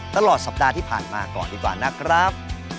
ตลอดสัปดาห์ที่ผ่านมาก่อนดีกว่านะครับ